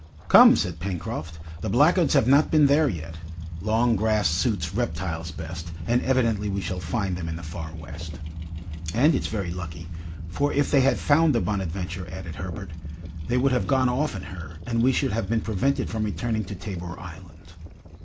"Come," said Pencroft, "the blackguards have not been there yet. Long grass suits reptiles best, and evidently we shall find them in the Far West." "And it's very lucky, for if they had found the 'Bonadventure'," added Herbert, "they would have gone off in her, and we should have been prevented from returning to Tabor Island."